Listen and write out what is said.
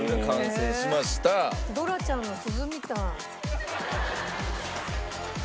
「ドラちゃんの鈴みたい」